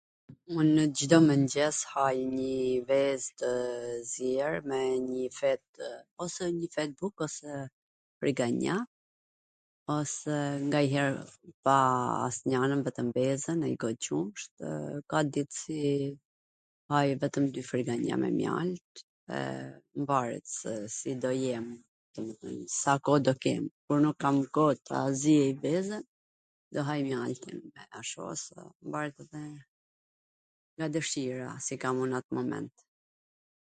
Unw Cdo mwngjes ha nji vez tw zier, me njw fetw... ose njw fet buk ose friganja, ose nganjher pa asnjanwn vetwm vezwn, njw got qumsht, ka dit si haj vwtwm friganja me mjalt, e varet se si do jem, sa koh do kem, kur nuk kam koh ta ziej vezwn, do haj mjaltin, ashtu ose varet edhe nga dwshira, si kam un n at moment.